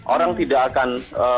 orang tidak akan